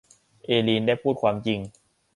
เอลีนได้พูดความจริง